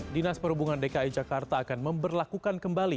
dinas perhubungan dki jakarta akan memperlakukan kembali